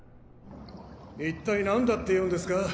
一体なんだっていうんですか！？